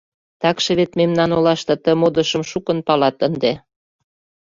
— Такше вет мемнан олаште ты модышым шукын палат ынде.